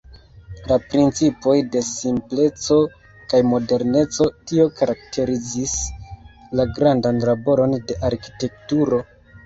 La principoj de simpleco kaj moderneco, tio karakterizis la grandan laboron de Arkitekturo.